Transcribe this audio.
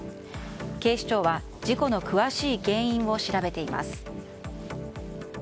警視庁は、事故の詳しい原因を調べています。